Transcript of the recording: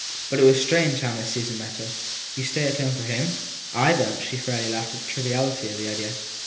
But it was strange how Miss Susan met her. You stay at home for him ?/ don t ! She fairly laughed at the triviality of the idea.